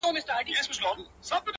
که پنځه کسه راښکيل وي پردي غم کي,